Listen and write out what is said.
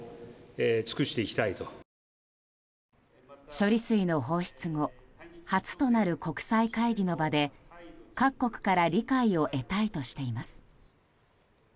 処理水の放出後初となる国際会議の場で各国から理解を得たいとしています。